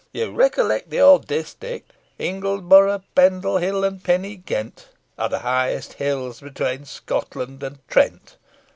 You recollect the old distich 'Ingleborough, Pendle Hill, and Pennygent, Are the highest hills between Scotland and Trent.'